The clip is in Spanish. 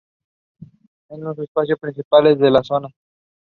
Es uno de los espacios principales de La Zona.